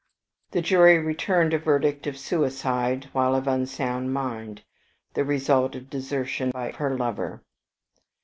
"The jury returned a verdict of suicide while of unsound mind, the result of desertion by her lover.